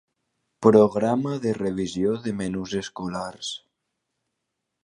Programa de revisió de menús escolars.